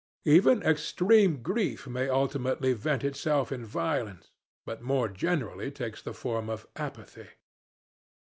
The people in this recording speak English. Even extreme grief may ultimately vent itself in violence but more generally takes the form of apathy.